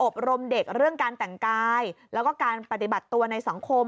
รมเด็กเรื่องการแต่งกายแล้วก็การปฏิบัติตัวในสังคม